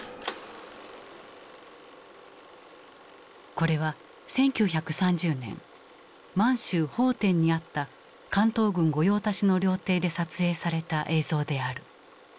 これは１９３０年満州・奉天にあった関東軍御用達の料亭で撮影された映像である。